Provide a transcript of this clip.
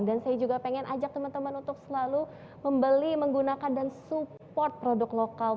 dan saya juga ingin ajak teman teman untuk selalu membeli menggunakan dan support produk lokal